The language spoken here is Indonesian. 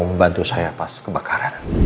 membantu saya pas kebakaran